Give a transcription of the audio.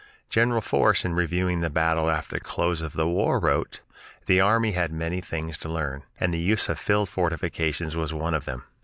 General Force, in reviewing the battle after the close of the war, wrote: "The army had many things to learn, and the use of field fortifications was one of them."